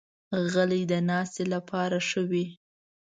غلۍ د ناستې لپاره ښه وي.